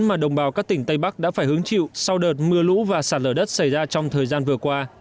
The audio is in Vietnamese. mà đồng bào các tỉnh tây bắc đã phải hứng chịu sau đợt mưa lũ và sạt lở đất xảy ra trong thời gian vừa qua